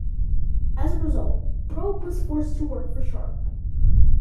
As a result, Probe was forced to work for Sharpe.